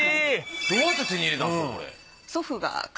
どうやって手に入れたんすか？